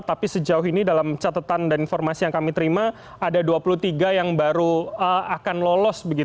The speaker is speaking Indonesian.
tapi sejauh ini dalam catatan dan informasi yang kami terima ada dua puluh tiga yang baru akan lolos